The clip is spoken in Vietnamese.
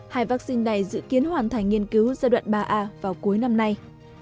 hai vaccine này dự kiến hoàn thành nghiên cứu giai đoạn ba a vào cuối năm nay